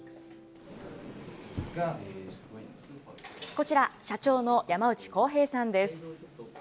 こちら、社長の山内康平さんです。